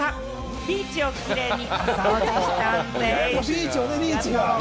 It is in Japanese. ビーチをキレイにお掃除したんでぃす。